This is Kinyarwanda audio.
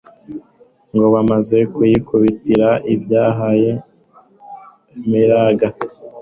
ngo bamaze kuyikubitira ibyahay emeraga